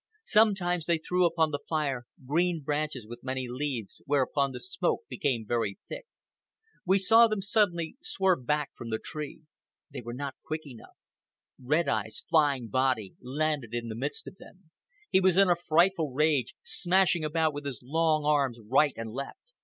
Sometimes they threw upon the fire green branches with many leaves, whereupon the smoke became very thick. We saw them suddenly swerve back from the tree. They were not quick enough. Red Eye's flying body landed in the midst of them. He was in a frightful rage, smashing about with his long arms right and left.